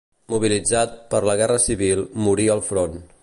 Mobilitzat per la guerra civil, morí al front.